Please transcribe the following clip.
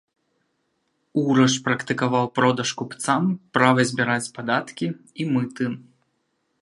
Ураш практыкаваў продаж купцам права збіраць падаткі і мыты.